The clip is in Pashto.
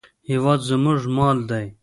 هېواد زموږ مال دی